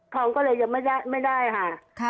ก็เลยยังไม่ได้ค่ะ